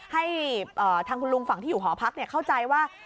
ให้ทางคุณลุงฝั่งที่อยู่หอพักเข้าใจว่า